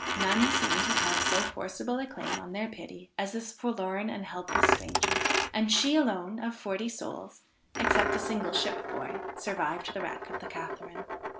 None seemed to have so forcible a claim on their pity as this forlorn and helpless stranger; and she alone, of forty souls, except a single ship boy, survived the wreck of the Catharine.